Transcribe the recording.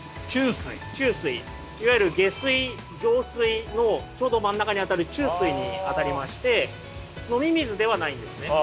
いわゆる下水上水のちょうど真ん中にあたる中水にあたりまして飲み水ではないんですね。